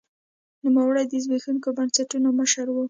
نوموړي د زبېښونکو بنسټونو مشر و.